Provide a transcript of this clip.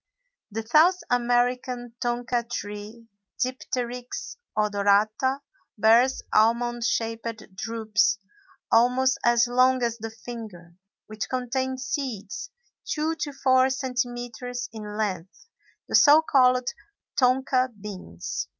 The South American tonka tree, Dipteryx odorata, bears almond shaped drupes almost as long as the finger, which contain seeds two to four centimetres in length, the so called tonka beans.